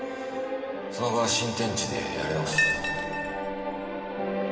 その後は新天地でやり直す。